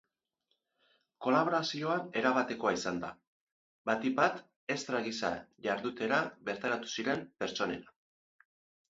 Kolaborazioa erabatekoa izan da, batik bat estra gisa jardutera bertaratu ziren pertsonena.